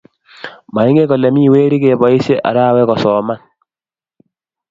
Maingen kole mi weri kiboisie arawee kosoman.